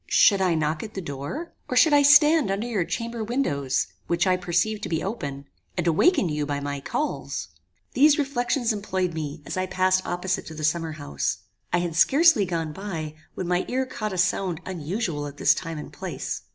Should I knock at the door? or should I stand under your chamber windows, which I perceived to be open, and awaken you by my calls? "These reflections employed me, as I passed opposite to the summer house. I had scarcely gone by, when my ear caught a sound unusual at this time and place.